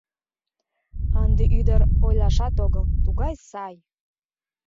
Ынде ӱдыр, ойлашат огыл, тугай сай!